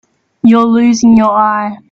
You're losing your eye.